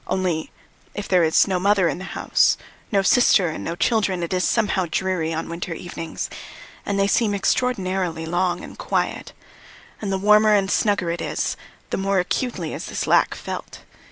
... Only if there is no mother in the house, no sister and no children, it is somehow dreary on winter evenings, and they seem extraordinarily long and quiet. And the warmer and snugger it is, the more acutely is this lack felt.